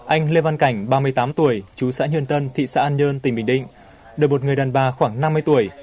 anh lê văn cảnh ba mươi tám tuổi chú xã nhân tân thị xã an nhơn tỉnh bình định được một người đàn bà khoảng năm mươi tuổi